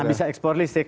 nah bisa ekspor listrik